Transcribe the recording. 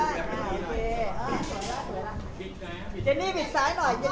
สวัสดีค่ะ